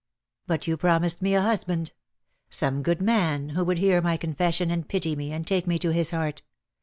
"But you promised me a husband; some good man who would hear my confession and pity me, and take me to his heart.